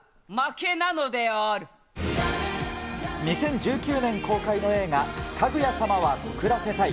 ２０１９年公開の映画、かぐや様は告らせたい。